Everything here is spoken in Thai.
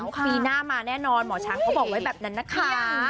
ปีหน้ามาแน่นอนหมอช้างเขาบอกไว้แบบนั้นนะคะ